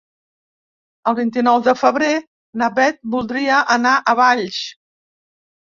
El vint-i-nou de febrer na Beth voldria anar a Valls.